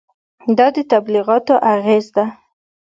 دا د تبلیغاتو اغېزه ده.